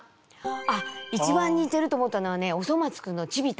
あっ一番にてると思ったのはね「おそ松くん」のチビ太。